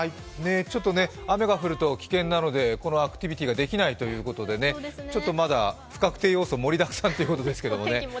雨が降ると危険なのでこのアクティビティーができないということでちょっとまだ不確定要素盛りだくさんということですけどね。